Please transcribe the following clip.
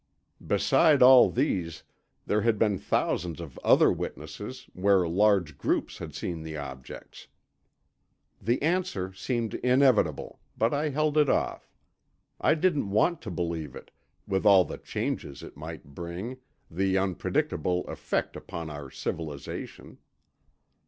Besides all these, there had been thousands of other witnesses, where large groups had seen the objects. The answer seemed inevitable, but I held it off. I didn't want to believe it, with all the changes it might bring, the unpredictable effect upon our civilization.